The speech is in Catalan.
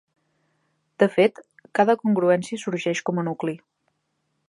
De fet, cada congruència sorgeix com a nucli.